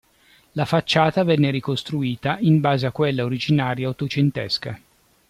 La facciata venne ricostruita in base a quella originaria ottocentesca.